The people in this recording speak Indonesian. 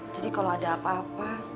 jadi kalau ada apa apa